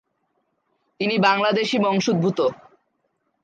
তিনি বাংলাদেশী বংশোদ্ভুত।